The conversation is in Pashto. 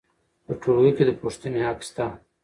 په ټولګي کې د پوښتنې حق سته.